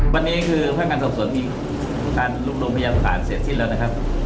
วันนี้คือพันธ์การสอบสนมีการลุกลงพยาบาปศาลเสร็จที่แล้วนะครับ